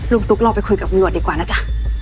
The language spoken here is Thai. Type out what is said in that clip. ลูกตุ๊กเราไปคุยกับวิวอทดีกว่านะจ๊ะ